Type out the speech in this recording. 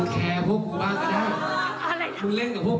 สวัสดีครับ